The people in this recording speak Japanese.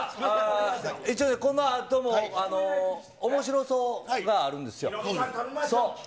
一応ね、このあともおもしろ荘があるんですよ。